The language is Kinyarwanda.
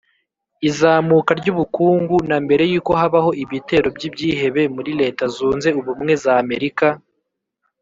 izamuka ry'ubukungu na mbere y'uko habaho ibitero by'ibyihebe muri leta zunze ubumwe z'amerika